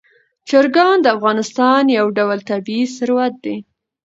چرګان د افغانستان یو ډول طبعي ثروت دی.